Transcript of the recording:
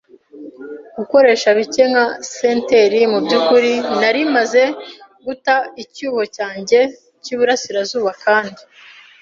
gukoresha bike nka senteri; mubyukuri, nari maze guta icyuho cyanjye cyiburasirazuba kandi